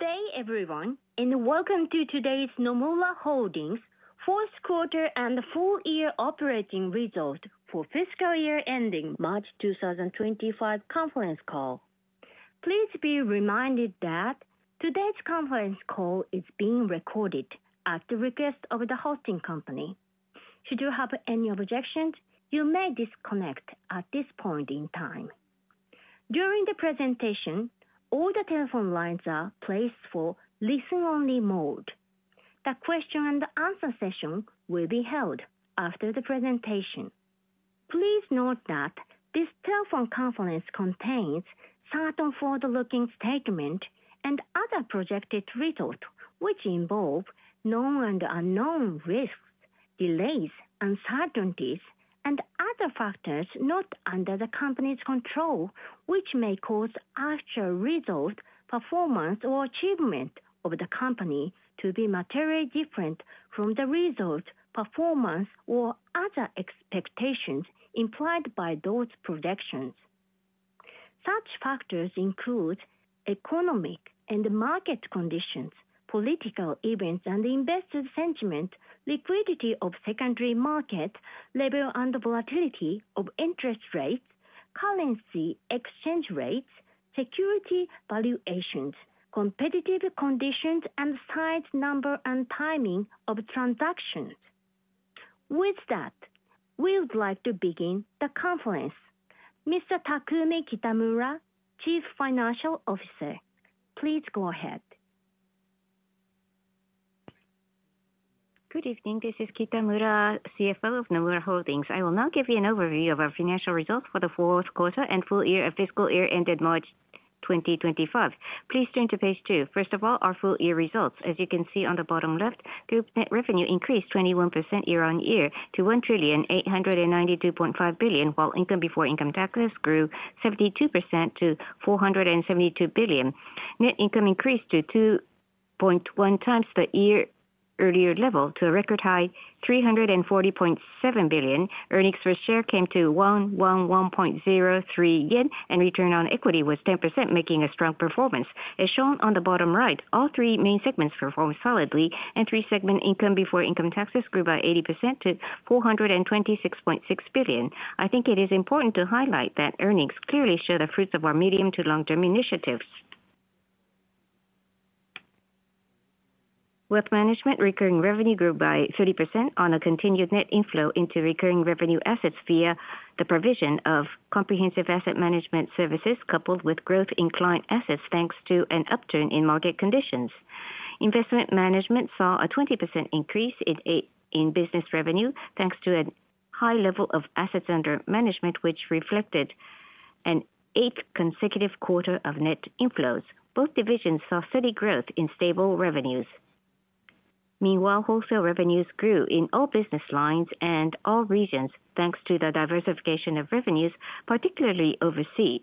Good day, everyone, and welcome to today's Nomura Holdings' Fourth Quarter and Full Year Operating Result for Fiscal Year Ending March 2025 Conference Call. Please be reminded that today's conference call is being recorded at the request of the hosting company. Should you have any objections, you may disconnect at this point in time. During the presentation, all the telephone lines are placed for listen-only mode. The Q&A session will be held after the presentation. Please note that this telephone conference contains certain forward-looking statements and other projected results, which involve known and unknown risks, delays, uncertainties, and other factors not under the company's control, which may cause actual result, performance, or achievement of the company to be materially different from the result, performance, or other expectations implied by those projections. Such factors include economic and market conditions, political events and investor sentiment, liquidity of secondary market level and volatility of interest rates, currency exchange rates, security valuations, competitive conditions, and size, number, and timing of transactions. With that, we would like to begin the conference. Mr. Takumi Kitamura, Chief Financial Officer, please go ahead. Good evening. This is Kitamura, CFO of Nomura Holdings. I will now give you an overview of our financial results for the fourth quarter and full year of fiscal year ended March 2025. Please turn to page two. First of all, our full-year results. As you can see on the bottom left, group net revenue increased 21% year-on-year to 1,892.5 billion, while income before income taxes grew 72% to 472 billion. Net income increased to 2.1 times the year-earlier level, to a record high, 340.7 billion. Earnings per share came to 1,103 yen, and return on equity was 10%, making a strong performance. As shown on the bottom right, all three main segments performed solidly, and three-segment income before income taxes grew by 80% to 426.6 billion. I think it is important to highlight that earnings clearly show the fruits of our medium to long-term initiatives. Wealth management recurring revenue grew by 30% on a continued net inflow into recurring revenue assets via the provision of comprehensive asset management services coupled with growth in client assets, thanks to an upturn in market conditions. Investment management saw a 20% increase in business revenue, thanks to a high level of assets under management, which reflected an eighth consecutive quarter of net inflows. Both divisions saw steady growth in stable revenues. Meanwhile, wholesale revenues grew in all business lines and all regions, thanks to the diversification of revenues, particularly overseas.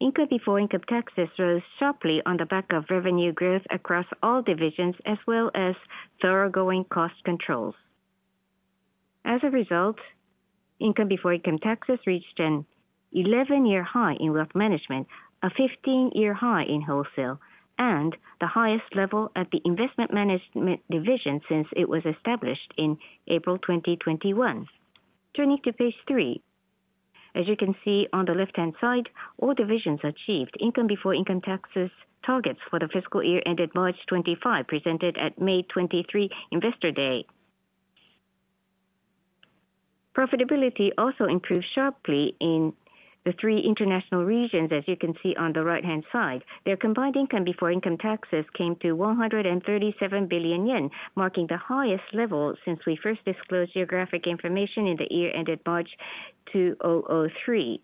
Income before income taxes rose sharply on the back of revenue growth across all divisions, as well as thoroughgoing cost controls. As a result, income before income taxes reached an 11-year high in wealth management, a 15-year high in wholesale, and the highest level at the investment management division since it was established in April 2021. Turning to page three, as you can see on the left-hand side, all divisions achieved income before income taxes targets for the fiscal year ended March 2025, presented at May 23 Investor Day. Profitability also improved sharply in the three international regions, as you can see on the right-hand side. Their combined income before income taxes came to 137 billion yen, marking the highest level since we first disclosed geographic information in the year ended March 2003.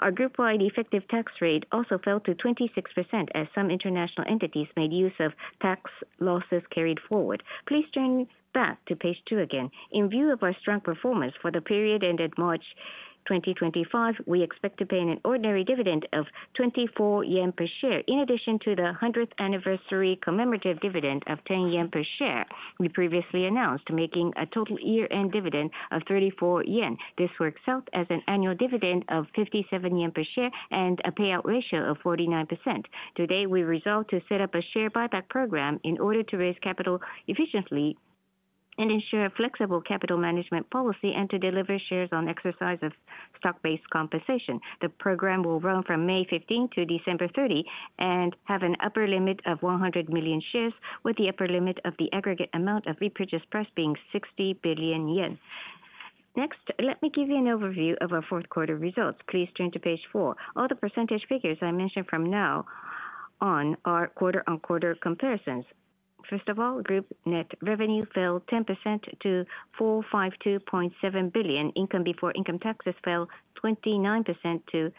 Our group-wide effective tax rate also fell to 26%, as some international entities made use of tax losses carried forward. Please turn back to page two again. In view of our strong performance for the period ended March 2025, we expect to pay an ordinary dividend of 24 yen per share, in addition to the 100th anniversary commemorative dividend of 10 yen per share we previously announced, making a total year-end dividend of 34 yen. This works out as an annual dividend of 57 yen per share and a payout ratio of 49%. Today, we resolve to set up a share buyback program in order to raise capital efficiently and ensure a flexible capital management policy and to deliver shares on exercise of stock-based compensation. The program will run from May 15 to December 30 and have an upper limit of 100 million shares, with the upper limit of the aggregate amount of repurchase price being 60 billion yen. Next, let me give you an overview of our fourth-quarter results. Please turn to page four. All the percentage figures I mention from now on are quarter-on-quarter comparisons. First of all, group net revenue fell 10% to 452.7 billion. Income before income taxes fell 29% to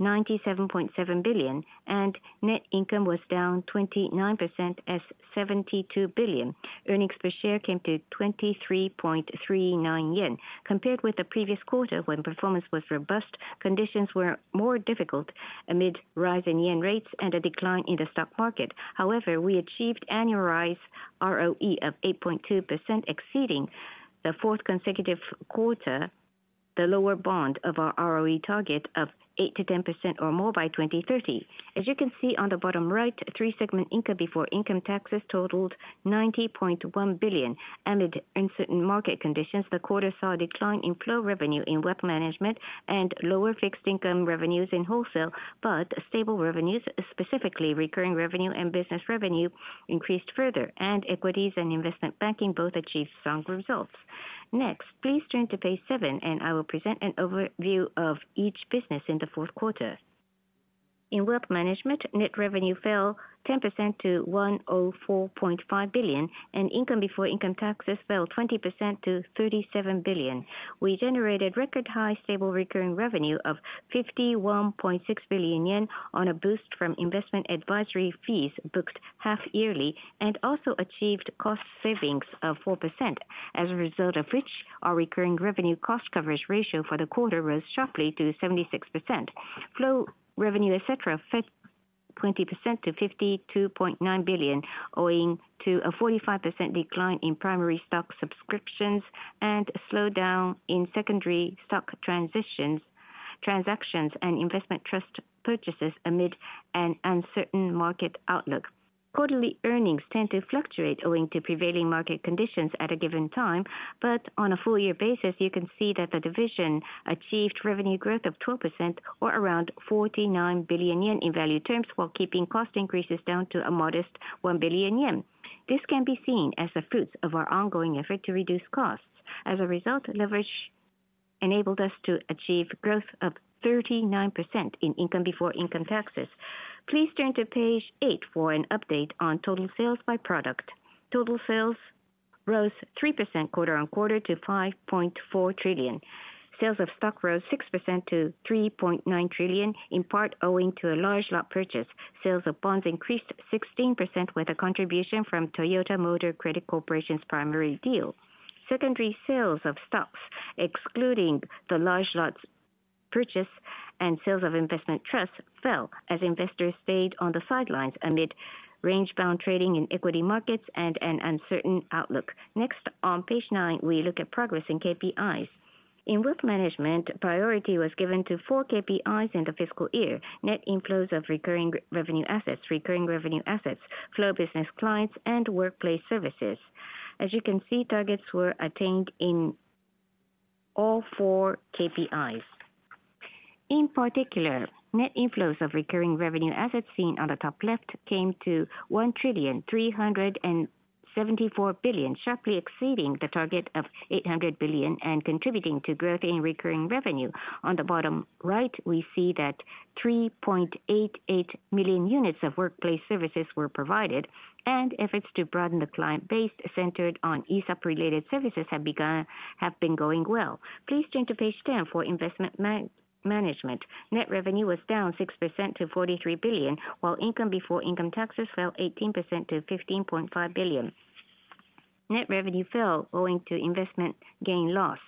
97.7 billion, and net income was down 29% at 72 billion. Earnings per share came to 23.39 yen. Compared with the previous quarter, when performance was robust, conditions were more difficult amid rising yen rates and a decline in the stock market. However, we achieved annualized ROE of 8.2%, exceeding the fourth consecutive quarter, the lower bound of our ROE target of 8-10% or more by 2030. As you can see on the bottom right, three-segment income before income taxes totaled 90.1 billion. Amid uncertain market conditions, the quarter saw a decline in flow revenue in wealth management and lower fixed income revenues in wholesale, but stable revenues, specifically recurring revenue and business revenue, increased further, and equities and investment banking both achieved strong results. Next, please turn to page seven, and I will present an overview of each business in the fourth quarter. In wealth management, net revenue fell 10% to 104.5 billion, and income before income taxes fell 20% to 37 billion. We generated record-high stable recurring revenue of 51.6 billion yen on a boost from investment advisory fees booked half-yearly and also achieved cost savings of 4%, as a result of which our recurring revenue cost coverage ratio for the quarter rose sharply to 76%. Flow revenue, etc., fell 20% to 52.9 billion, owing to a 45% decline in primary stock subscriptions and slowdown in secondary stock transactions and investment trust purchases amid an uncertain market outlook. Quarterly earnings tend to fluctuate owing to prevailing market conditions at a given time, but on a full-year basis, you can see that the division achieved revenue growth of 12%, or around 49 billion yen in value terms, while keeping cost increases down to a modest 1 billion yen. This can be seen as the fruits of our ongoing effort to reduce costs. As a result, leverage enabled us to achieve growth of 39% in income before income taxes. Please turn to page eight for an update on total sales by product. Total sales rose 3% quarter-on-quarter to 5.4 trillion. Sales of stocks rose 6% to 3.9 trillion, in part owing to a large lot purchase. Sales of bonds increased 16% with a contribution from Toyota Motor Credit Corporation's primary deal. Secondary sales of stocks, excluding the large lot purchase and sales of investment trusts, fell as investors stayed on the sidelines amid range-bound trading in equity markets and an uncertain outlook. Next, on page nine, we look at progress in KPIs. In wealth management, priority was given to four KPIs in the fiscal year, net inflows of recurring revenue assets, recurring revenue assets, flow business clients, and workplace services. As you can see, targets were attained in all four KPIs. In particular, net inflows of recurring revenue assets seen on the top left came to 1,374 billion, sharply exceeding the target of 800 billion and contributing to growth in recurring revenue. On the bottom right, we see that 3.88 million units of workplace services were provided, and efforts to broaden the client base centered on ESOP-related services have been going well. Please turn to page ten for investment management. Net revenue was down 6% to 43 billion, while income before income taxes fell 18% to 15.5 billion. Net revenue fell owing to investment gain loss.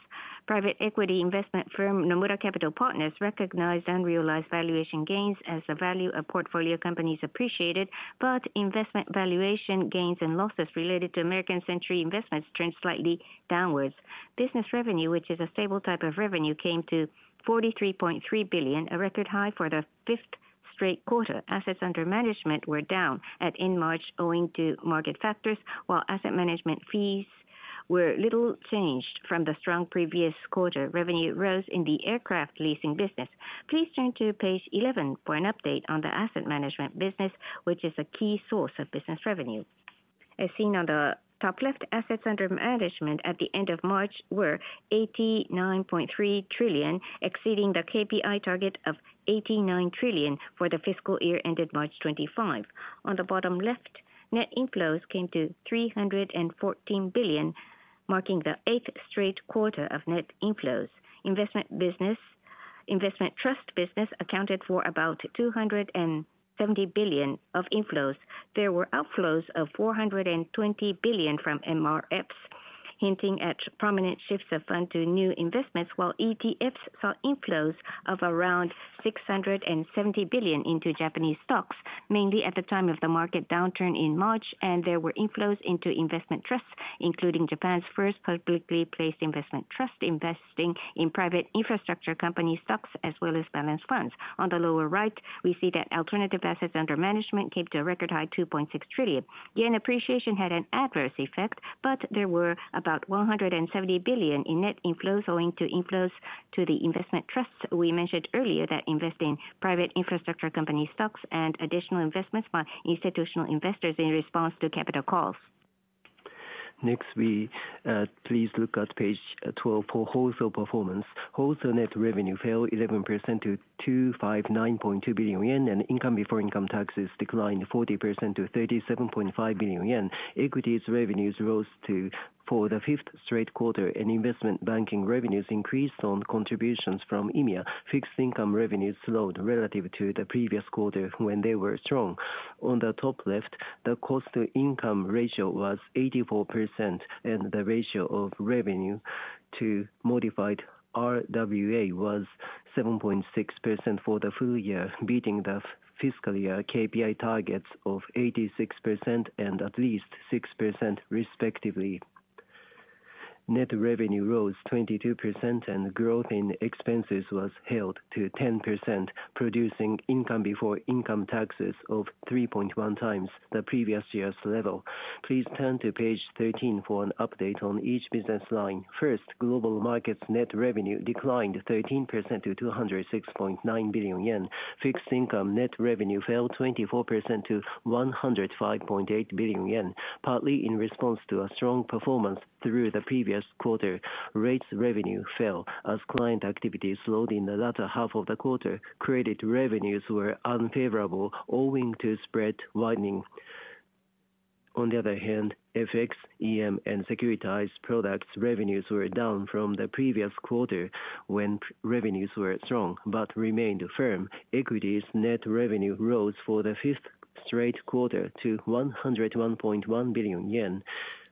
Private equity investment firm Nomura Capital Partners recognized unrealized valuation gains as the value of portfolio companies appreciated, but investment valuation gains and losses related to American Century Investments turned slightly downwards. Business revenue, which is a stable type of revenue, came to 43.3 billion, a record high for the fifth straight quarter. Assets under management were down at end March owing to market factors, while asset management fees were little changed from the strong previous quarter. Revenue rose in the aircraft leasing business. Please turn to page 11 for an update on the asset management business, which is a key source of business revenue. As seen on the top left, assets under management at the end of March were 89.3 trillion, exceeding the KPI target of 89 trillion for the fiscal year ended March 2025. On the bottom left, net inflows came to 314 billion, marking the eighth straight quarter of net inflows. Investment trust business accounted for about 270 billion of inflows. There were outflows of 420 billion from MRFs, hinting at prominent shifts of fund to new investments, while ETFs saw inflows of around 670 billion into Japanese stocks, mainly at the time of the market downturn in March, and there were inflows into investment trusts, including Japan's first publicly placed investment trust investing in private infrastructure company stocks as well as balanced funds. On the lower right, we see that alternative assets under management came to a record high, 2.6 trillion. Yen appreciation had an adverse effect, but there were about 170 billion in net inflows owing to inflows to the investment trusts we mentioned earlier that invest in private infrastructure company stocks and additional investments by institutional investors in response to capital calls. Next, we please look at page 12 for wholesale performance. Wholesale net revenue fell 11% to 259.2 billion yen, and income before income taxes declined 40% to 37.5 billion yen. Equities revenues rose for the fifth straight quarter, and investment banking revenues increased on contributions from EMEA. Fixed income revenues slowed relative to the previous quarter when they were strong. On the top left, the Cost-to-Income Ratio was 84%, and the ratio of revenue to modified RWA was 7.6% for the full year, beating the fiscal year KPI targets of 86% and at least 6%, respectively. Net revenue rose 22%, and growth in expenses was held to 10%, producing income before income taxes of 3.1 times the previous year's level. Please turn to page 13 for an update on each business line. First, global markets net revenue declined 13% to 206.9 billion yen. Fixed income net revenue fell 24% to 105.8 billion yen, partly in response to a strong performance through the previous quarter. Rates revenue fell as client activity slowed in the latter half of the quarter. Credit revenues were unfavorable owing to spread widening. On the other hand, FX, EM, and securitized products revenues were down from the previous quarter when revenues were strong but remained firm. Equities net revenue rose for the fifth straight quarter to 101.1 billion yen.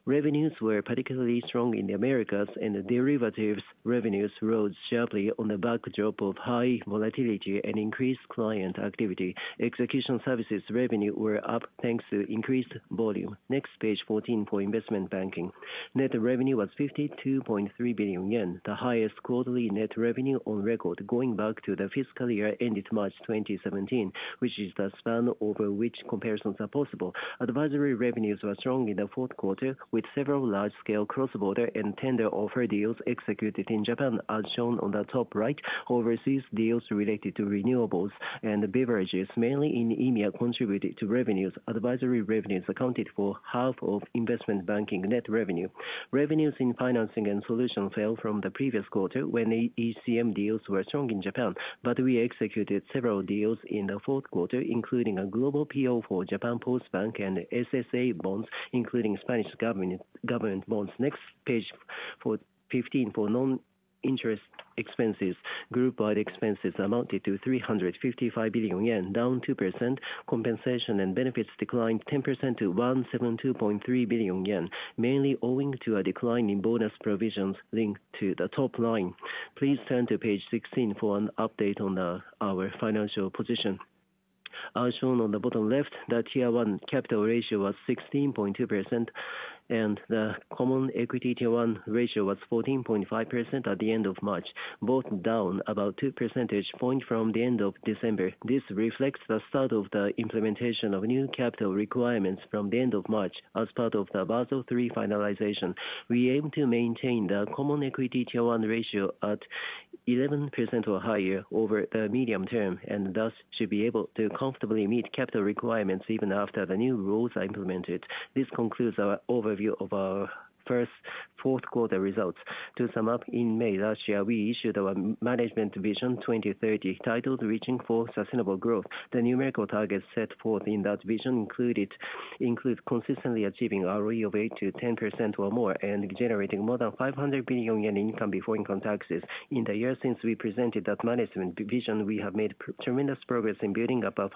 Revenues were particularly strong in the Americas, and derivatives revenues rose sharply on a backdrop of high volatility and increased client activity. Execution services revenue were up thanks to increased volume. Next, page 14 for investment banking. Net revenue was 52.3 billion yen, the highest quarterly net revenue on record, going back to the fiscal year-ended March 2017, which is the span over which comparisons are possible. Advisory revenues were strong in the fourth quarter, with several large-scale cross-border and tender offer deals executed in Japan, as shown on the top right. Overseas deals related to renewables and beverages, mainly in EMEA, contributed to revenues. Advisory revenues accounted for half of investment banking net revenue. Revenues in financing and solutions fell from the previous quarter when ECM deals were strong in Japan, but we executed several deals in the fourth quarter, including a global PO for Japan Post Bank and SSA bonds, including Spanish government bonds. Next, page 15 for non-interest expenses. Group-wide expenses amounted to 355 billion yen, down 2%. Compensation and benefits declined 10% to 172.3 billion yen, mainly owing to a decline in bonus provisions linked to the top line. Please turn to page 16 for an update on our financial position. As shown on the bottom left, the Tier 1 Capital Ratio was 16.2%, and the Common Equity Tier 1 ratio was 14.5% at the end of March, both down about 2 percentage points from the end of December. This reflects the start of the implementation of new capital requirements from the end of March as part of the Basel III finalization. We aim to maintain the Common Equity Tier 1 ratio at 11% or higher over the medium term and thus should be able to comfortably meet capital requirements even after the new rules are implemented. This concludes our overview of our first fourth-quarter results. To sum up, in May last year, we issued our Management Vision 2030 titled "Reaching for Sustainable Growth." The numerical targets set forth in that vision include consistently achieving ROE of 8%-10% or more and generating more than 500 billion yen in income before income taxes. In the year since we presented that management vision, we have made tremendous progress in building up a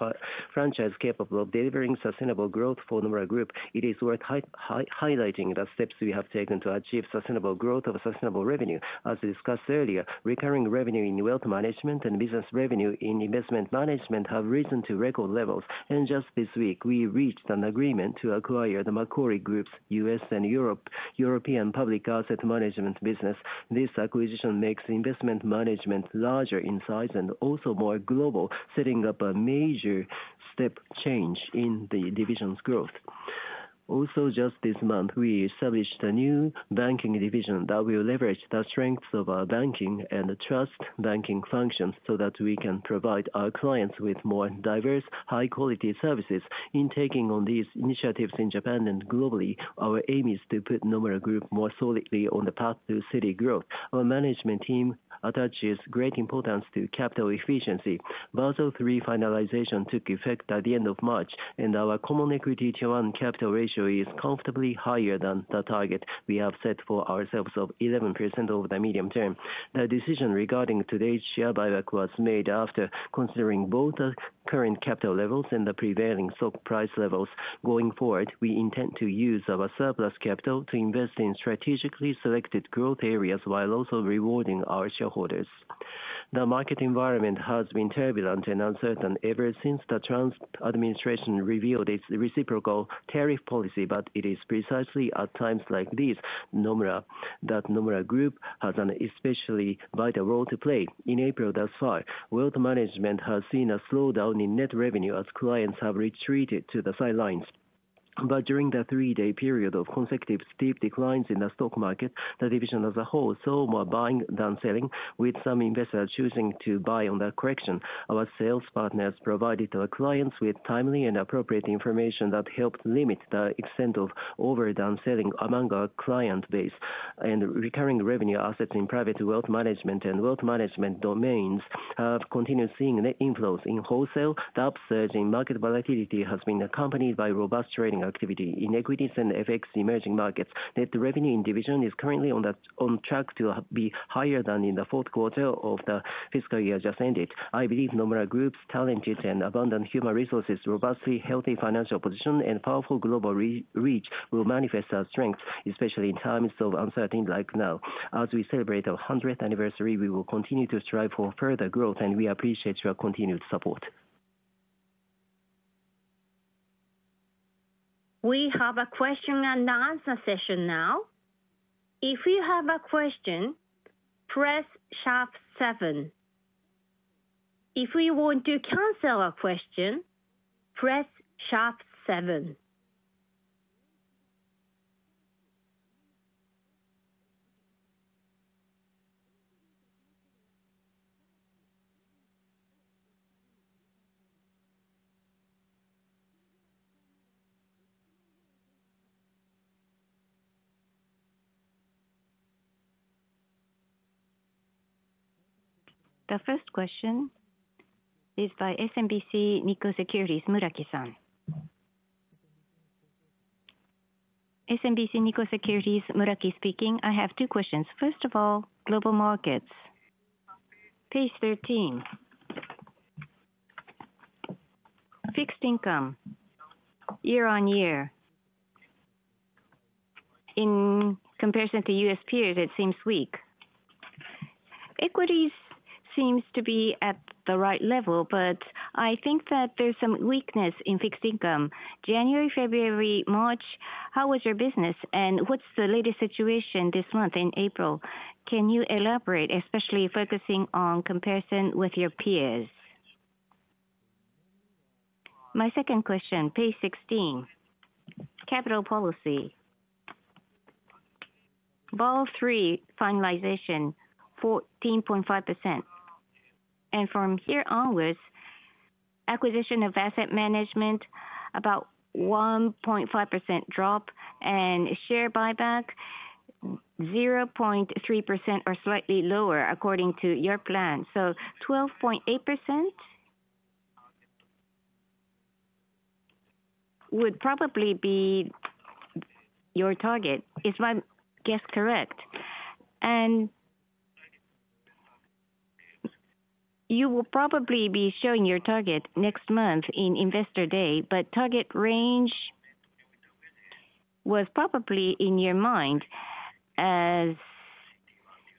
franchise capable of delivering sustainable growth for Nomura Group. It is worth highlighting the steps we have taken to achieve sustainable growth of sustainable revenue. As discussed earlier, recurring revenue in wealth management and business revenue in investment management have risen to record levels, and just this week, we reached an agreement to acquire the Macquarie Group's U.S. and European Public Asset Management business. This acquisition makes investment management larger in size and also more global, setting up a major step change in the division's growth. Also, just this month, we established a new Banking Division that will leverage the strengths of our banking and trust banking functions so that we can provide our clients with more diverse, high-quality services. In taking on these initiatives in Japan and globally, our aim is to put Nomura Group more solidly on the path to steady growth. Our management team attaches great importance to capital efficiency. Basel III Finalization took effect at the end of March, and our common equity Tier 1 Capital Ratio is comfortably higher than the target we have set for ourselves of 11% over the medium term. The decision regarding today's share buyback was made after considering both the current capital levels and the prevailing stock price levels. Going forward, we intend to use our surplus capital to invest in strategically selected growth areas while also rewarding our shareholders. The market environment has been turbulent and uncertain ever since the Trump administration revealed its reciprocal tariff policy, but it is precisely at times like these that Nomura Group has an especially vital role to play. In April thus far, wealth management has seen a slowdown in net revenue as clients have retreated to the sidelines. During the three-day period of consecutive steep declines in the stock market, the division as a whole saw more buying than selling, with some investors choosing to buy on the correction. Our sales partners provided our clients with timely and appropriate information that helped limit the extent of overdone selling among our client base. Recurring revenue assets in private wealth management and wealth management domains have continued seeing net inflows. In wholesale, the upsurge in market volatility has been accompanied by robust trading activity in equities and FX emerging markets. Net revenue in division is currently on track to be higher than in the fourth quarter of the fiscal year just ended. I believe Nomura Group's talented and abundant human resources, robustly healthy financial position, and powerful global reach will manifest our strength, especially in times of uncertainty like now. As we celebrate our 100th anniversary, we will continue to strive for further growth, and we appreciate your continued support. We have a Q&A session now. If you have a question, press sharp seven. If you want to cancel a question, press sharp seven. The first question is by SMBC Nikko Securities, Muraki-san. SMBC Nikko Securities, Muraki speaking. I have two questions. First of all, global markets. Page 13. Fixed income, year-on-year, in comparison to U.S. period, it seems weak. Equities seems to be at the right level, but I think that there's some weakness in fixed income. January, February, March, how was your business, and what's the latest situation this month in April? Can you elaborate, especially focusing on comparison with your peers? My second question, page 16. Capital policy. Basel III Finalization, 14.5%. From here onwards, acquisition of asset management, about 1.5% drop, and share buyback, 0.3% or slightly lower according to your plan. 12.8% would probably be your target. Is my guess correct? You will probably be showing your target next month in Investor Day, but target range was probably in your mind as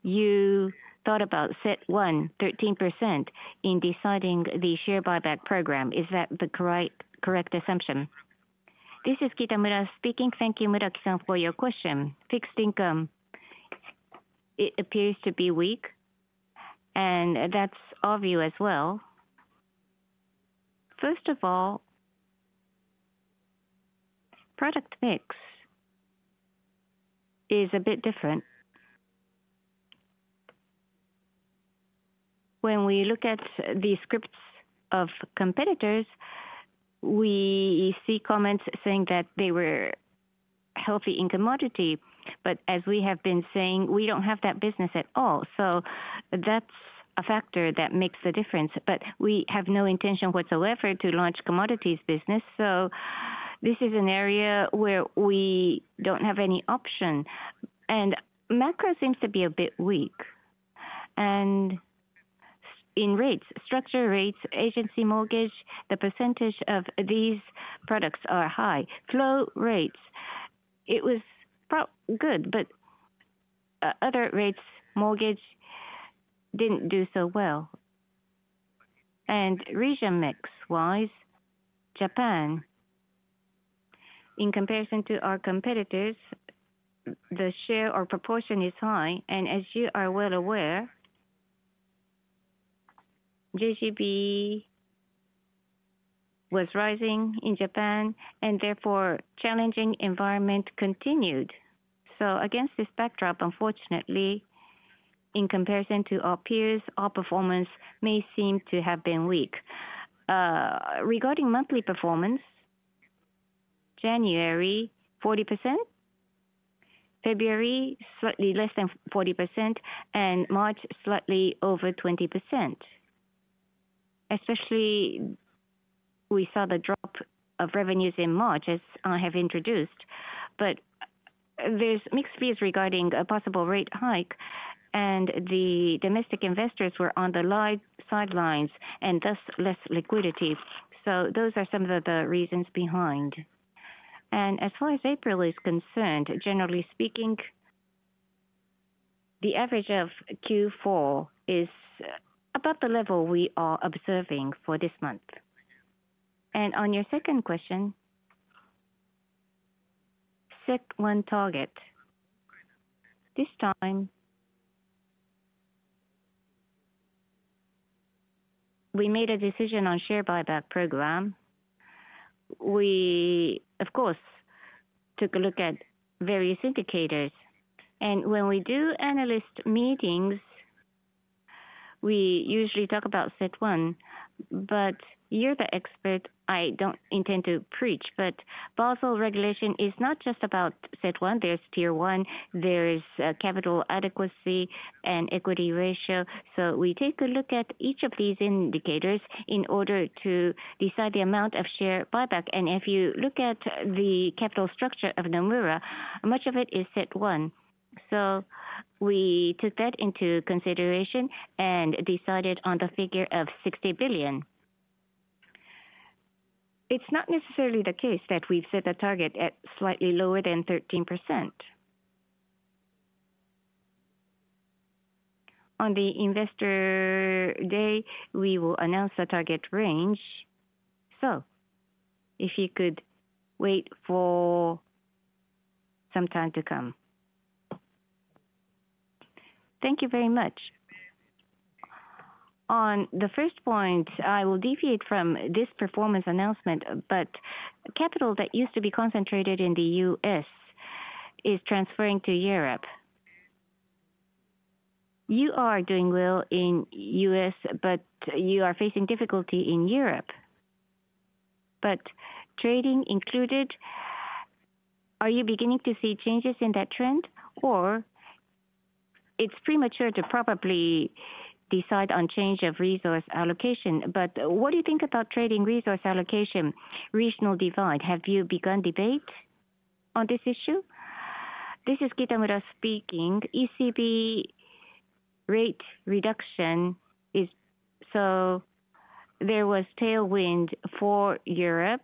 you thought about CET1, 13%, in deciding the share buyback program. Is that the correct assumption? This is Kitamura speaking. Thank you, Muraki-san, for your question. Fixed income, it appears to be weak, and that's obvious as well. First of all, product mix is a bit different. When we look at the scripts of competitors, we see comments saying that they were healthy in commodity, but as we have been saying, we don't have that business at all. That is a factor that makes the difference. We have no intention whatsoever to launch commodities business, so this is an area where we don't have any option. Macro seems to be a bit weak. In rates, structure rates, agency mortgage, the percentage of these products are high. Flow rates, it was good, but other rates, mortgage did not do so well. Region mix-wise, Japan, in comparison to our competitors, the share or proportion is high. As you are well aware, JGB was rising in Japan, and therefore challenging environment continued. Against this backdrop, unfortunately, in comparison to our peers, our performance may seem to have been weak. Regarding monthly performance, January, 40%. February, slightly less than 40%, and March, slightly over 20%. Especially, we saw the drop of revenues in March, as I have introduced. There are mixed fears regarding a possible rate hike, and the domestic investors were on the sidelines and thus less liquidity. Those are some of the reasons behind. As far as April is concerned, generally speaking, the average of Q4 is about the level we are observing for this month. On your second question, CET1 target. This time, we made a decision on share buyback program. We, of course, took a look at various indicators. When we do analyst meetings, we usually talk about CET1, but you're the expert. I don't intend to preach, but Basel regulation is not just about CET1. There is tier one, there is capital adequacy and equity ratio. We take a look at each of these indicators in order to decide the amount of share buyback. If you look at the capital structure of Nomura, much of it is CET1. We took that into consideration and decided on the figure of 60 billion. It's not necessarily the case that we've set a target at slightly lower than 13%. On the Investor Day, we will announce the target range. If you could wait for some time to come. Thank you very much. On the first point, I will deviate from this performance announcement, but capital that used to be concentrated in the U.S. is transferring to Europe. You are doing well in the U.S., but you are facing difficulty in Europe. Trading included, are you beginning to see changes in that trend, or it's premature to probably decide on change of resource allocation? What do you think about trading resource allocation regional divide? Have you begun debate on this issue? This is Kitamura speaking. ECB rate reduction is. There was tailwind for Europe.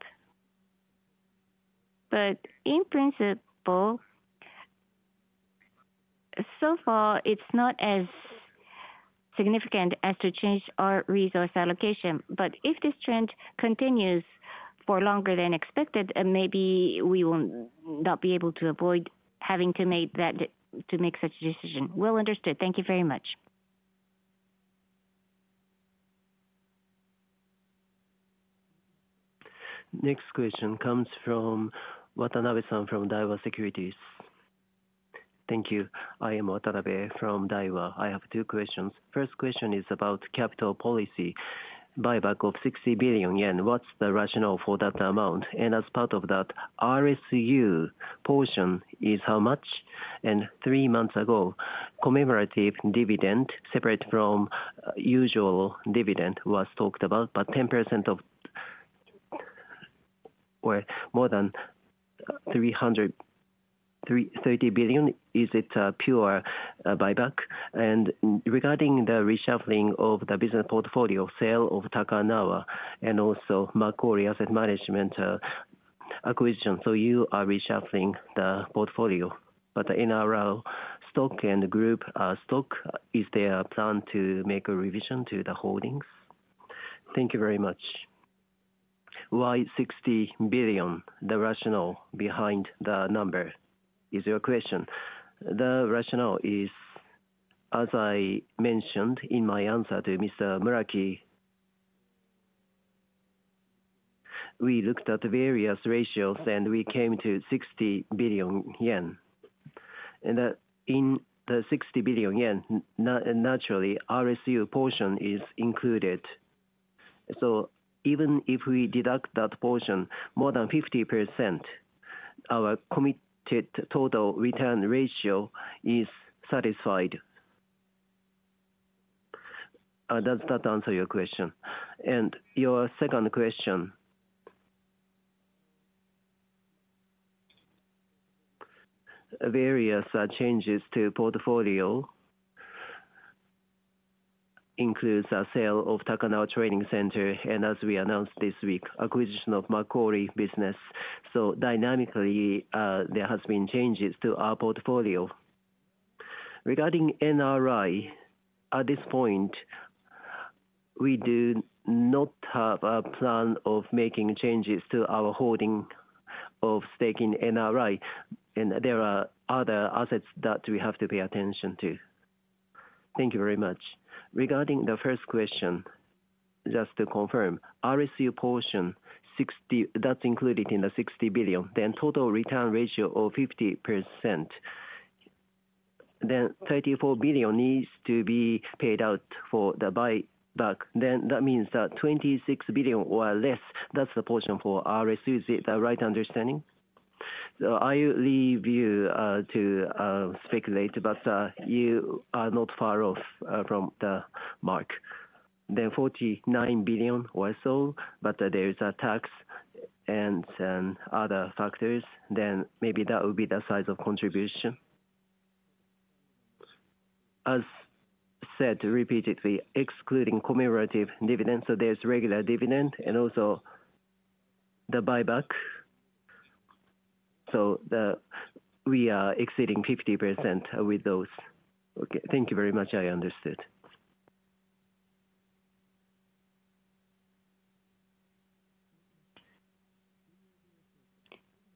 In principle, so far, it's not as significant as to change our resource allocation. If this trend continues for longer than expected, maybe we will not be able to avoid having to make such a decision. Well understood. Thank you very much. Next question comes from Watanabe-san from Daiwa Securities. Thank you. I am Watanabe from Daiwa. I have two questions. First question is about capital policy. Buyback of 60 billion yen, what's the rationale for that amount? As part of that, RSU portion is how much? Three months ago, commemorative dividend separate from usual dividend was talked about, but 10% of more than 330 billion, is it a pure buyback? Regarding the reshuffling of the business portfolio, sale of Takanawa and also Macquarie Asset Management acquisition, you are reshuffling the portfolio. In our stock and group stock, is there a plan to make a revision to the holdings? Thank you very much. Why 60 billion? The rationale behind the number is your question. The rationale is, as I mentioned in my answer to Mr. Muraki, we looked at various ratios and we came to 60 billion yen. In the 60 billion yen, naturally, RSU portion is included. Even if we deduct that portion, more than 50%, our committed total return ratio is satisfied. Does that answer your question? Your second question, various changes to portfolio includes a sale of Takanawa Training Center and, as we announced this week, acquisition of Macquarie Group. Dynamically, there have been changes to our portfolio. Regarding NRI, at this point, we do not have a plan of making changes to our holding of staking NRI, and there are other assets that we have to pay attention to. Thank you very much. Regarding the first question, just to confirm, RSU portion that's included in the 60 billion, then total return ratio of 50%, then 34 billion needs to be paid out for the buyback, then that means that 26 billion or less, that's the portion for RSU. Is it the right understanding? I'll leave you to speculate, but you are not far off from the mark. 49 billion or so, but there's a tax and other factors, maybe that would be the size of contribution. As said repeatedly, excluding commemorative dividend, there's regular dividend and also the buyback. We are exceeding 50% with those. Okay, thank you very much. I understood.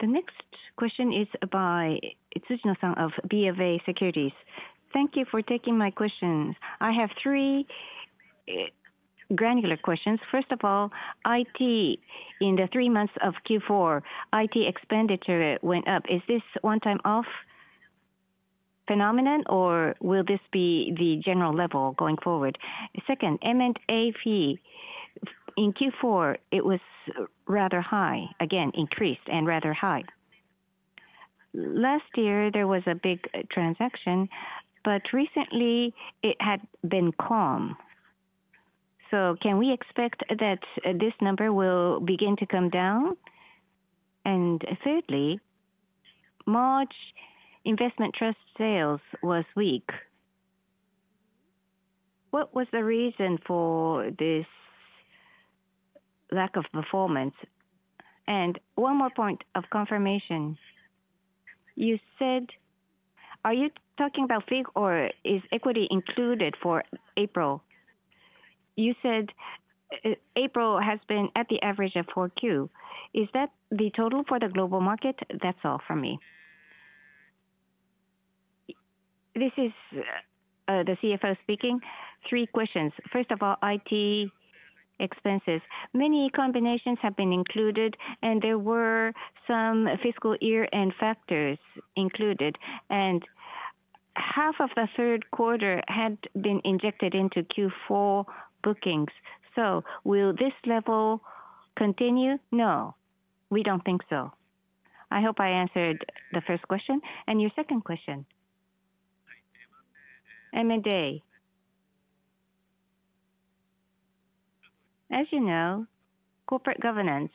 The next question is by Tsujino-san of BofA Securities. Thank you for taking my questions. I have three granular questions. First of all, IT, in the three months of Q4, IT expenditure went up. Is this one-time-off phenomenon, or will this be the general level going forward? Second, M&A fee. In Q4, it was rather high, again, increased and rather high. Last year, there was a big transaction, but recently, it had been calm. Can we expect that this number will begin to come down? Thirdly, March investment trust sales was weak. What was the reason for this lack of performance? One more point of confirmation. You said, are you talking about fig or is equity included for April? You said April has been at the average of 4Q. Is that the total for the global market? That's all for me. This is the CFO speaking. Three questions. First of all, IT expenses. Many combinations have been included, and there were some fiscal year-end factors included. Half of the third quarter had been injected into Q4 bookings. Will this level continue? No, we do not think so. I hope I answered the first question. Your second question. M&A. As you know, corporate governance.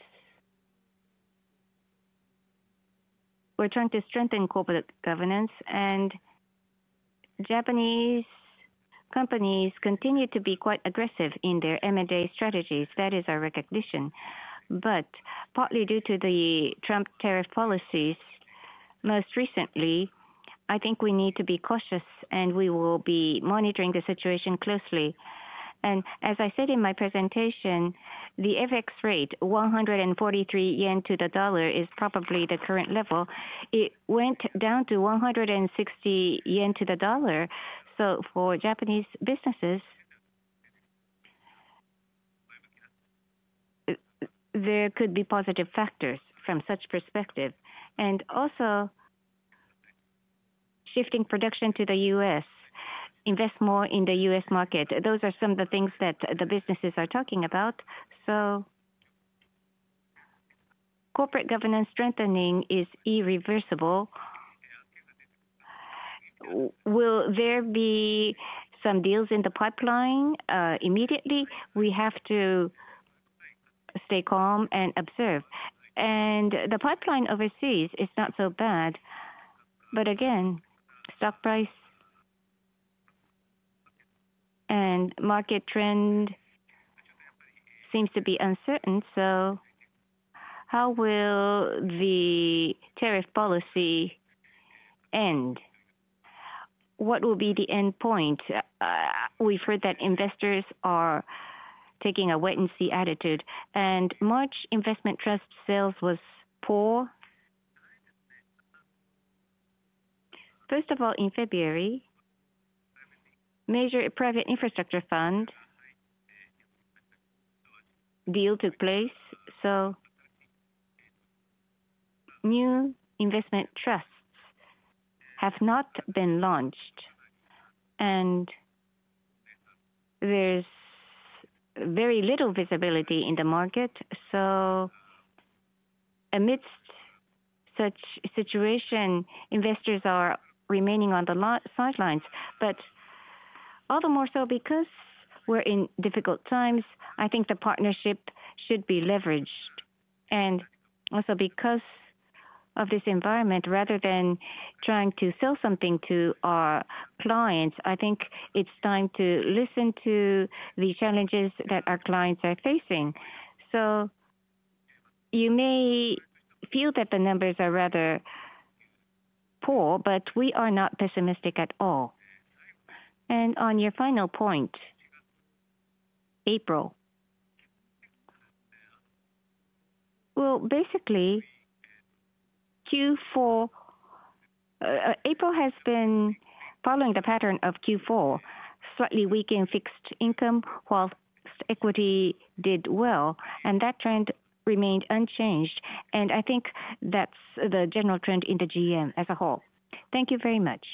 We are trying to strengthen corporate governance, and Japanese companies continue to be quite aggressive in their M&A strategies. That is our recognition. Partly due to the Trump tariff policies most recently, I think we need to be cautious, and we will be monitoring the situation closely. As I said in my presentation, the FX rate, 143 yen to the dollar, is probably the current level. It went down to 160 yen to the dollar. For Japanese businesses, there could be positive factors from such perspective. Also, shifting production to the U.S., invest more in the U.S. market. Those are some of the things that the businesses are talking about. Corporate governance strengthening is irreversible. Will there be some deals in the pipeline immediately? We have to stay calm and observe. The pipeline overseas is not so bad. Again, stock price and market trend seem to be uncertain. How will the tariff policy end? What will be the end point? We've heard that investors are taking a wait-and-see attitude. March investment trust sales was poor. First of all, in February, major private infrastructure fund deal took place. New investment trusts have not been launched. There is very little visibility in the market. Amidst such situation, investors are remaining on the sidelines. All the more so because we're in difficult times, I think the partnership should be leveraged. Also because of this environment, rather than trying to sell something to our clients, I think it's time to listen to the challenges that our clients are facing. You may feel that the numbers are rather poor, but we are not pessimistic at all. On your final point, April. Basically, Q4, April has been following the pattern of Q4, slightly weakened fixed income while equity did well. That trend remained unchanged. I think that's the general trend in the GM as a whole. Thank you very much.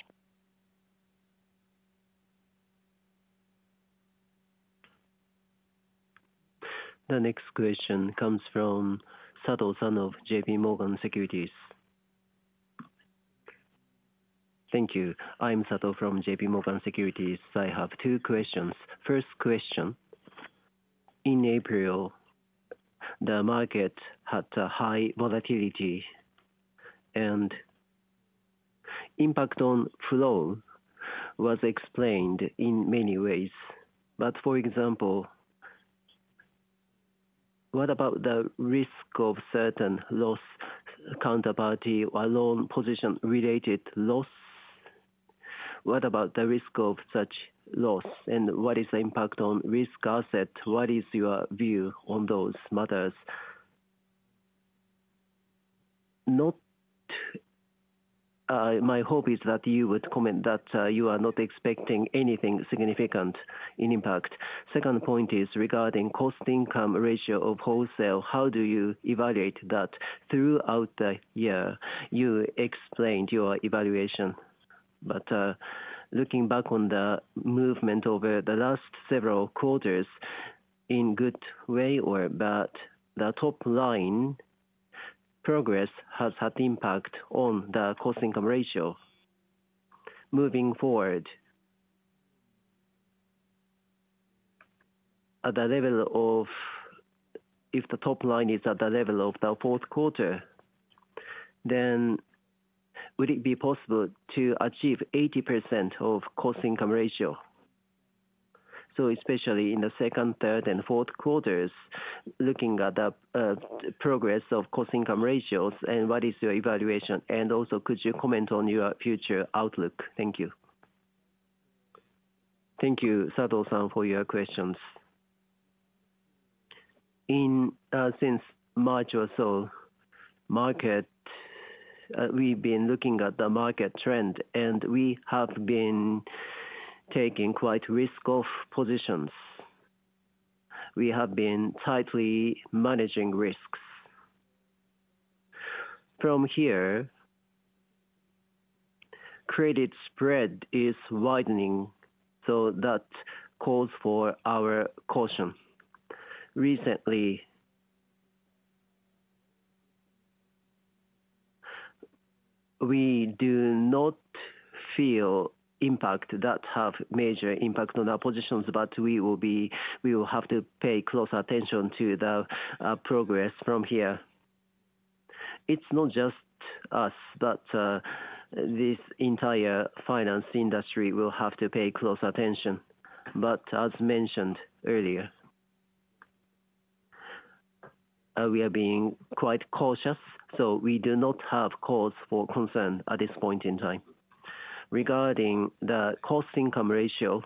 The next question comes from Koki Sato of JP Morgan Securities. Thank you. I'm Sato from JP Morgan Securities. I have two questions. First question. In April, the market had a high volatility, and impact on flow was explained in many ways. For example, what about the risk of certain loss counterparty or loan position-related loss? What about the risk of such loss? What is the impact on risk asset? What is your view on those matters? My hope is that you would comment that you are not expecting anything significant in impact. Second point is regarding Cost-Income Ratio of wholesale. How do you evaluate that throughout the year? You explained your evaluation. Looking back on the movement over the last several quarters, in good way or bad, the top-line progress has had impact on the Cost-Income Ratio. Moving forward, at the level of if the top-line is at the level of the fourth quarter, would it be possible to achieve 80% of Cost-Income Ratio? Especially in the second, third, and fourth quarters, looking at the progress of Cost-Income Ratios, what is your evaluation? Also, could you comment on your future outlook? Thank you. Thank you, Sato-san, for your questions. Since March or so, we've been looking at the market trend, and we have been taking quite risk-off positions. We have been tightly managing risks. From here, credit spread is widening, so that calls for our caution. Recently, we do not feel impact that have major impact on our positions, but we will have to pay close attention to the progress from here. It's not just us, but this entire finance industry will have to pay close attention. As mentioned earlier, we are being quite cautious, so we do not have calls for concern at this point in time. Regarding the Cost-Income Ratio,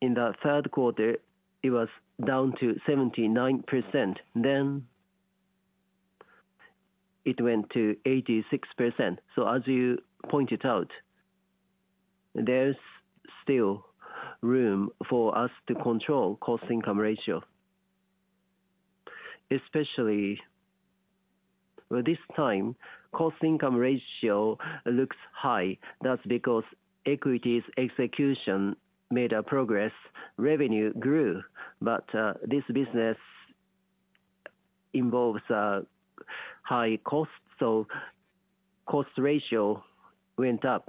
in the third quarter, it was down to 79%. It went to 86%. As you pointed out, there is still room for us to control Cost-Income Ratio. Especially this time, Cost-Income Ratio looks high. That is because equities execution made progress. Revenue grew, but this business involves a high cost, so cost ratio went up.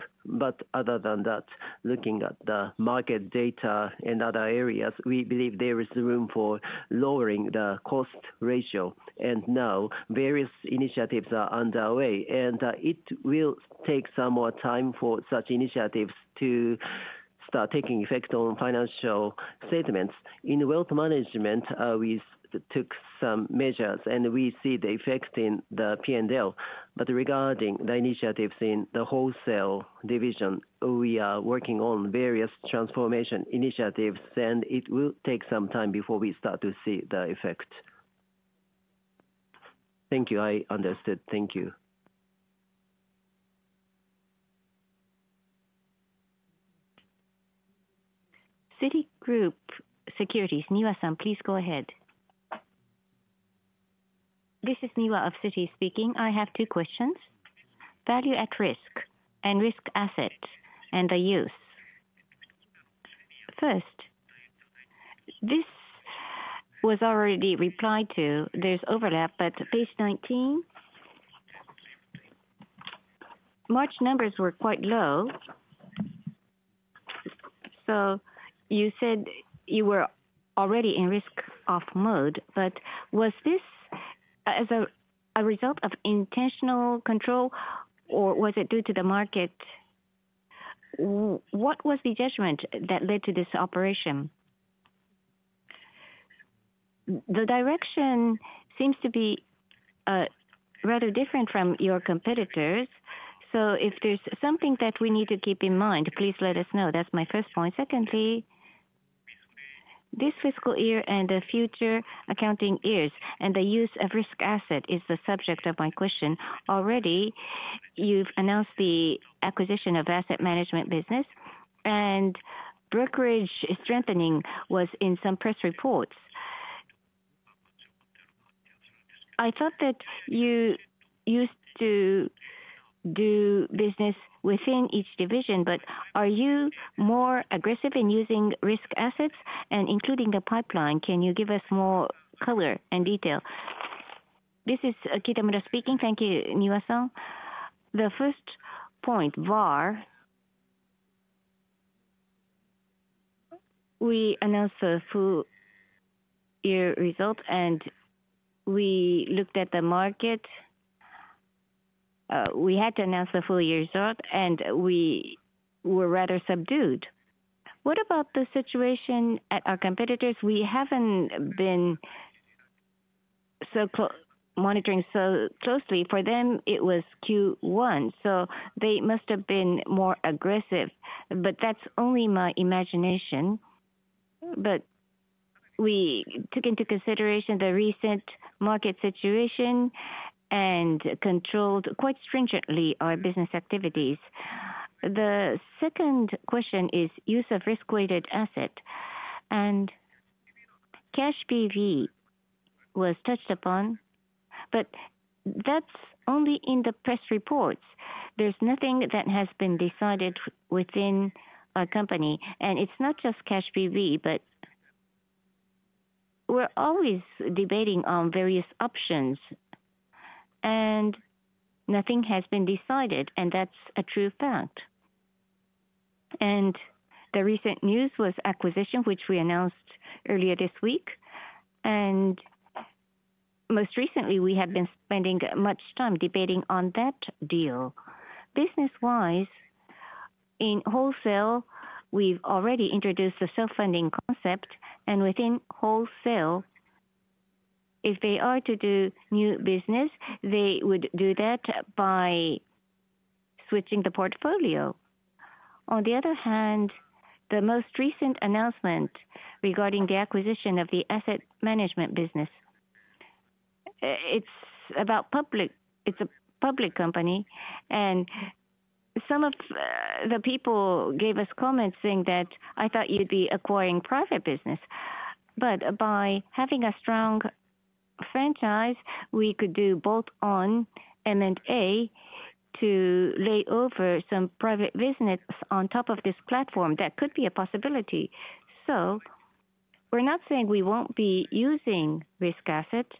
Other than that, looking at the market data and other areas, we believe there is room for lowering the cost ratio. Various initiatives are underway, and it will take some more time for such initiatives to start taking effect on financial statements. In wealth management, we took some measures, and we see the effect in the P&L. Regarding the initiatives in the wholesale division, we are working on various transformation initiatives, and it will take some time before we start to see the effect. Thank you. I understood. Thank you. Citigroup Securities, Niwa-san, please go ahead. This is Niwa of Citi speaking. I have two questions. Value at Risk and risk asset and the use. First, this was already replied to. There is overlap, but page 19. March numbers were quite low. You said you were already in risk-off mode, but was this as a result of intentional control, or was it due to the market? What was the judgment that led to this operation? The direction seems to be rather different from your competitors. If there is something that we need to keep in mind, please let us know. That is my first point. Secondly, this fiscal year and the future accounting years and the use of risk asset is the subject of my question. Already, you have announced the acquisition of asset management business, and brokerage strengthening was in some press reports. I thought that you used to do business within each division, but are you more aggressive in using risk assets and including the pipeline? Can you give us more color and detail? This is Kitamura speaking. Thank you, Niwa-san. The first point, VaR. We announced the full year result, and we looked at the market. We had to announce the full year result, and we were rather subdued. What about the situation at our competitors? We haven't been monitoring so closely. For them, it was Q1, so they must have been more aggressive. That's only my imagination. We took into consideration the recent market situation and controlled quite stringently our business activities. The second question is use of risk-weighted asset. Cash PV was touched upon, but that's only in the press reports. There's nothing that has been decided within our company. It is not just cash PV, but we are always debating on various options, and nothing has been decided, and that is a true fact. The recent news was acquisition, which we announced earlier this week. Most recently, we have been spending much time debating on that deal. Business-wise, in wholesale, we have already introduced the self-funding concept. Within wholesale, if they are to do new business, they would do that by switching the portfolio. On the other hand, the most recent announcement regarding the acquisition of the asset management business, it is about public. It is a public company. Some of the people gave us comments saying that, "I thought you would be acquiring private business." By having a strong franchise, we could do bolt-on M&A to lay over some private business on top of this platform. That could be a possibility. We're not saying we won't be using risk assets.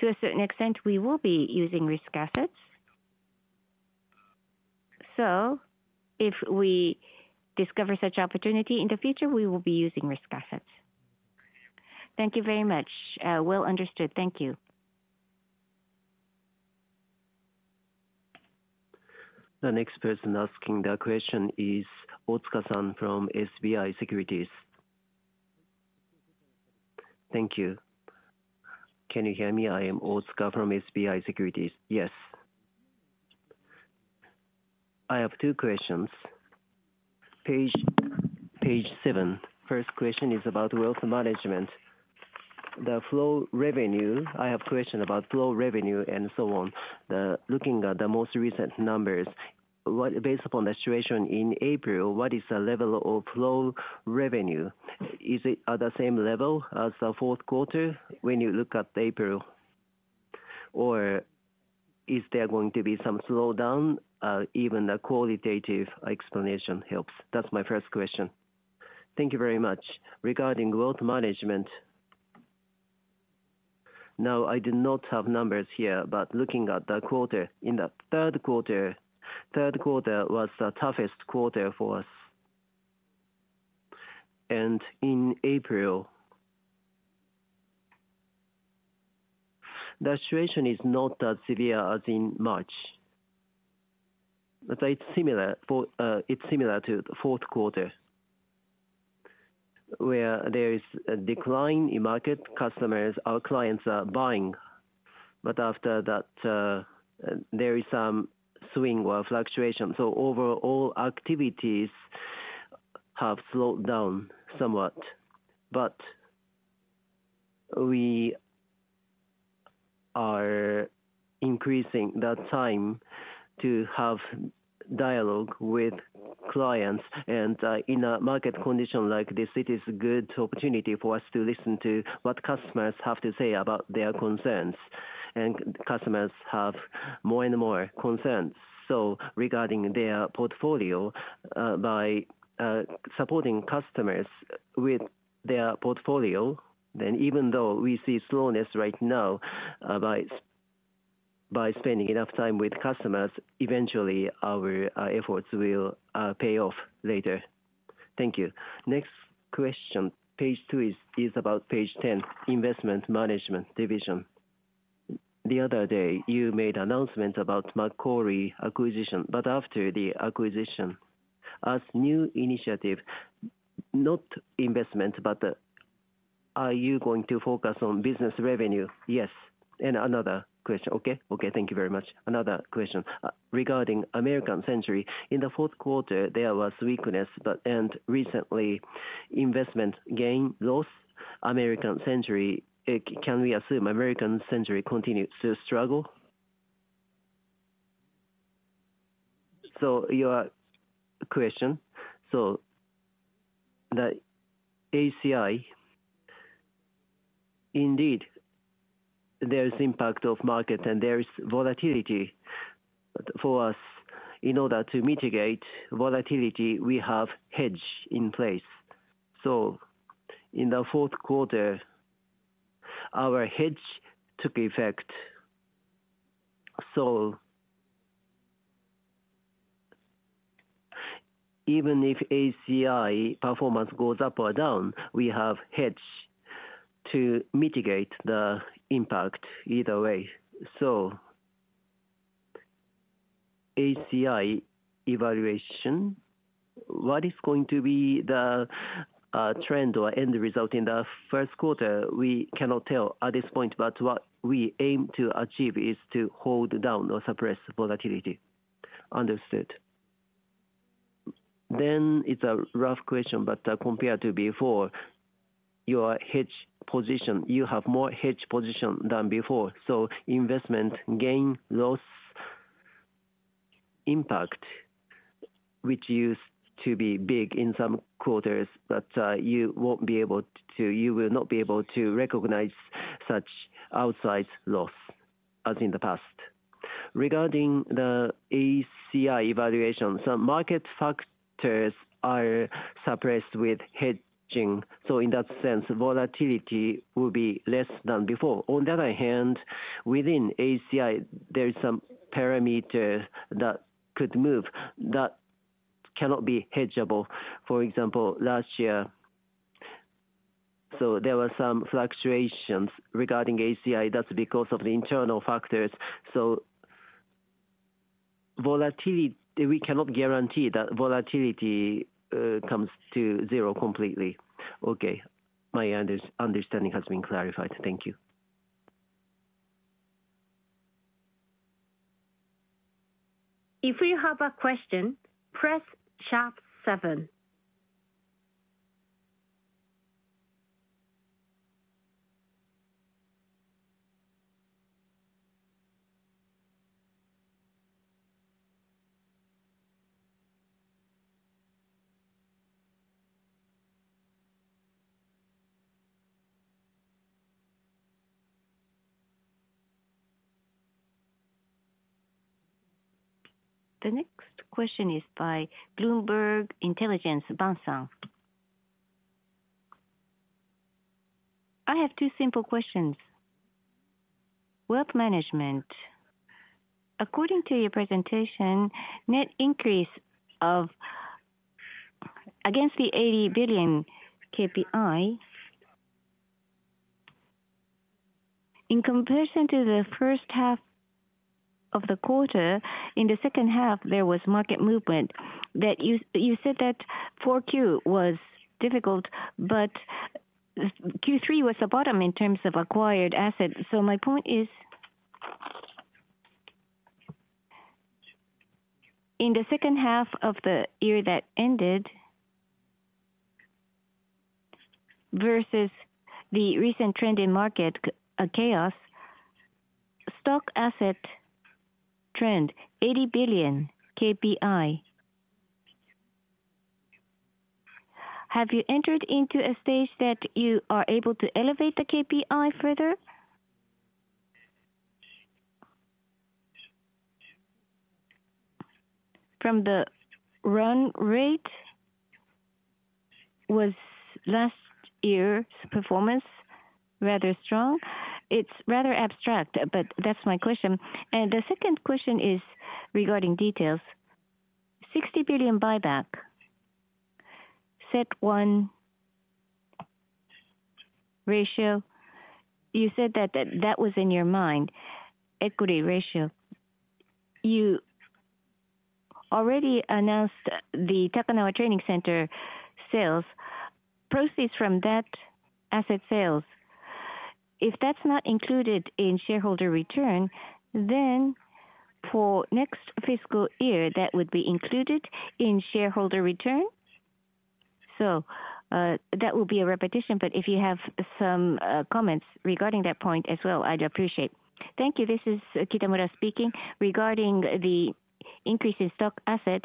To a certain extent, we will be using risk assets. If we discover such opportunity in the future, we will be using risk assets. Thank you very much. Well understood. Thank you. The next person asking the question is Otsuka-san from SBI Securities. Thank you. Can you hear me? I am Otsuka from SBI Securities. Yes. I have two questions. Page 7, first question is about wealth management. The flow revenue, I have questions about flow revenue and so on. Looking at the most recent numbers, based upon the situation in April, what is the level of flow revenue? Is it at the same level as the fourth quarter when you look at April? Or is there going to be some slowdown? Even the qualitative explanation helps. That's my first question. Thank you very much. Regarding wealth management, now, I do not have numbers here, but looking at the quarter, in the third quarter, third quarter was the toughest quarter for us. In April, the situation is not that severe as in March. It is similar to the fourth quarter, where there is a decline in market. Customers, our clients, are buying. After that, there is some swing or fluctuation. Overall, activities have slowed down somewhat. We are increasing the time to have dialogue with clients. In a market condition like this, it is a good opportunity for us to listen to what customers have to say about their concerns. Customers have more and more concerns. Regarding their portfolio, by supporting customers with their portfolio, even though we see slowness right now, by spending enough time with customers, eventually, our efforts will pay off later. Thank you. Next question. Page 2 is about page 10, investment management division. The other day, you made announcements about Macquarie acquisition. After the acquisition, as new initiative, not investment, but are you going to focus on business revenue? Yes. Thank you very much. Another question. Regarding American Century, in the fourth quarter, there was weakness, but recently, investment gain loss. American Century, can we assume American Century continues to struggle? Your question, so the ACI, indeed, there is impact of market, and there is volatility. For us, in order to mitigate volatility, we have hedge in place. In the fourth quarter, our hedge took effect. Even if ACI performance goes up or down, we have hedge to mitigate the impact either way. ACI evaluation, what is going to be the trend or end result in the first quarter? We cannot tell at this point, but what we aim to achieve is to hold down or suppress volatility. Understood. It's a rough question, but compared to before, your hedge position, you have more hedge position than before. Investment gain loss impact, which used to be big in some quarters, but you will not be able to recognize such outsized loss as in the past. Regarding the ACI evaluation, some market factors are suppressed with hedging. In that sense, volatility will be less than before. On the other hand, within ACI, there is some parameter that could move that cannot be hedgeable. For example, last year, there were some fluctuations regarding ACI. That is because of the internal factors. Volatility, we cannot guarantee that volatility comes to zero completely. Okay. My understanding has been clarified. Thank you. If we have a question, press sharp seven. The next question is by Bloomberg Intelligence, Bansang. I have two simple questions. Wealth management. According to your presentation, net increase of against the 80 billion KPI, in comparison to the first half of the quarter, in the second half, there was market movement. You said that 4Q was difficult, but Q3 was the bottom in terms of acquired assets. My point is, in the second half of the year that ended versus the recent trend in market chaos, stock asset trend, 80 billion KPI. Have you entered into a stage that you are able to elevate the KPI further? From the run rate, was last year's performance rather strong? It's rather abstract, but that's my question. The second question is regarding details. 60 billion buyback, CET1 ratio. You said that that was in your mind, equity ratio. You already announced the Takanawa Training Center sales. Proceeds from that asset sales. If that's not included in shareholder return, then for next fiscal year, that would be included in shareholder return. That will be a repetition, but if you have some comments regarding that point as well, I'd appreciate it. Thank you. This is Kitamura speaking regarding the increase in stock asset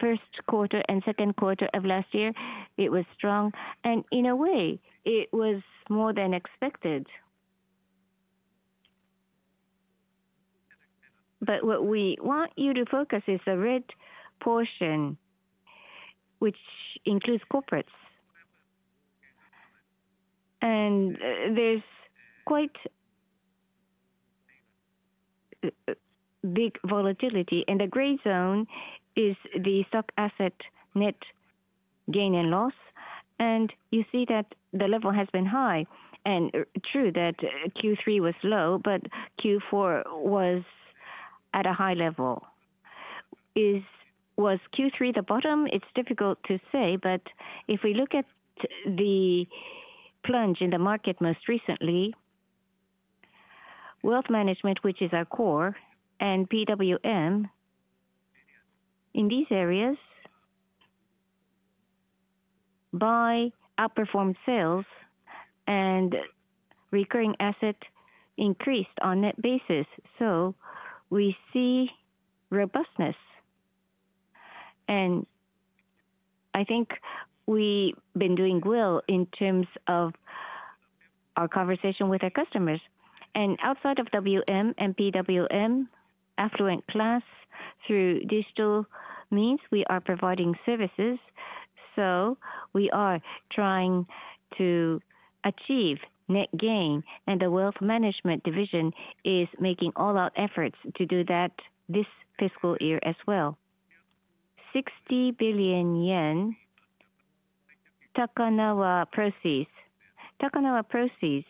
first quarter and second quarter of last year. It was strong. In a way, it was more than expected. What we want you to focus is the red portion, which includes corporates. There is quite big volatility. The gray zone is the stock asset net gain and loss. You see that the level has been high. True that Q3 was low, but Q4 was at a high level. Was Q3 the bottom? It's difficult to say, but if we look at the plunge in the market most recently, wealth management, which is our core, and PWM, in these areas, buy outperformed sales, and recurring asset increased on net basis. We see robustness. I think we've been doing well in terms of our conversation with our customers. Outside of WM and PWM, affluent class, through digital means, we are providing services. We are trying to achieve net gain. The wealth management division is making all-out efforts to do that this fiscal year as well. 60 billion yen, Takanawa Proceeds. Takanawa Proceeds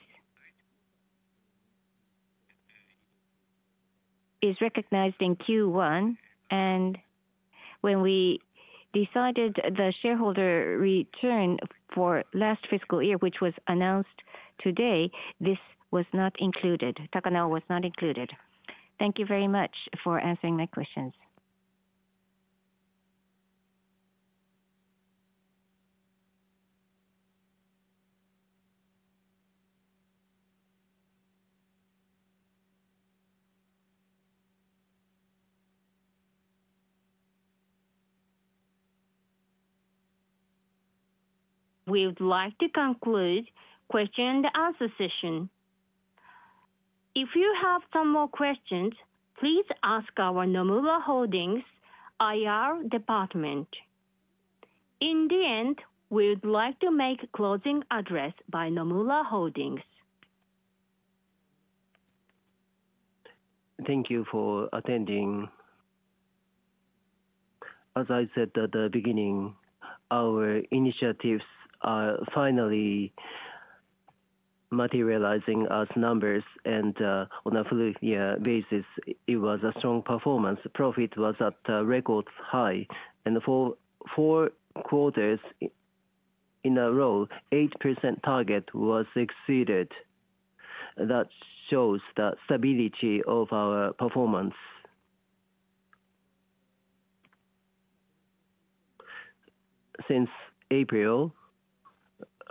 is recognized in Q1. When we decided the shareholder return for last fiscal year, which was announced today, this was not included. Takanawa was not included. Thank you very much for answering my questions. We would like to conclude Q&A session. If you have some more questions, please ask our Nomura Holdings IR department. In the end, we would like to make a closing address by Nomura Holdings. Thank you for attending. As I said at the beginning, our initiatives are finally materializing as numbers. On a full-year basis, it was a strong performance. Profit was at record high. For four quarters in a row, the 8% target was exceeded. That shows the stability of our performance. Since April,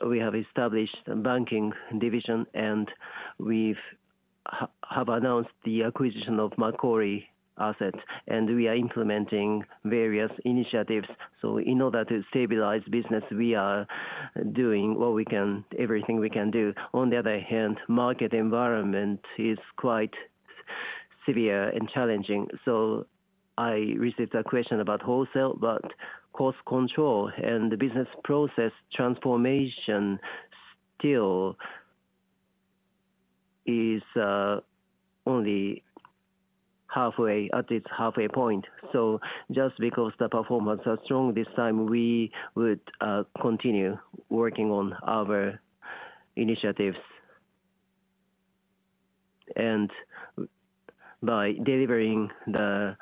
we have established a Banking Division, and we have announced the acquisition of Macquarie assets. We are implementing various initiatives. In order to stabilize business, we are doing everything we can do. On the other hand, the market environment is quite severe and challenging. I received a question about wholesale, but cost control and the business process transformation still is only halfway, at least halfway point. Just because the performance is strong this time, we would continue working on our initiatives. By delivering the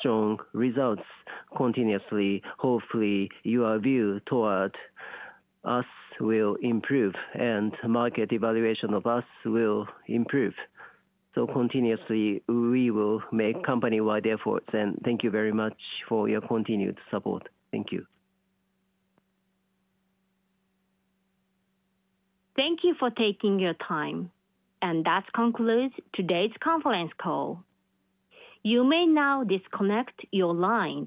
strong results continuously, hopefully, your view toward us will improve, and market evaluation of us will improve. We will make company-wide efforts continuously. Thank you very much for your continued support. Thank you. Thank you for taking your time. That concludes today's conference call. You may now disconnect your line.